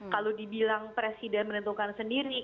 kalau dibilang presiden menentukan sendiri